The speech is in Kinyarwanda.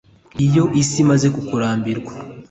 iyo isi imaze kukurambirwa